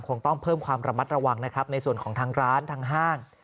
คงต้องเพิ่มความระมัดระวังนะครับในส่วนของทางร้านทางห้าง